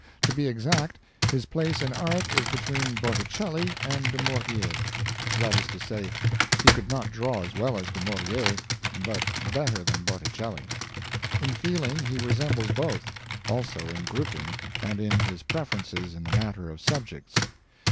To be exact, his place in art is between Botticelli and De Maurier. That is to say, he could not draw as well as De Maurier but better than Boticelli. In feeling, he resembles both; also in grouping and in his preferences in the matter of subjects.